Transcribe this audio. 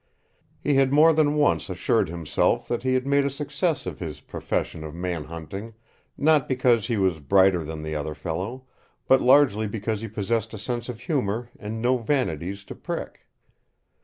He had more than once assured himself that he had made a success of his profession of man hunting not because he was brighter than the other fellow, but largely because he possessed a sense of humor and no vanities to prick.